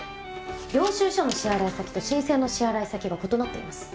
領収書の支払い先と申請の支払い先が異なっています。